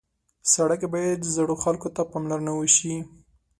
سړک کې باید زړو خلکو ته پاملرنه وشي.